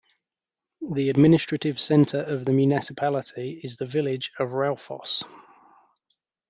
The administrative centre of the municipality is the village of Raufoss.